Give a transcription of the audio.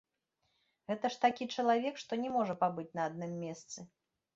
Гэта ж такі чалавек, што не можа пабыць на адным месцы.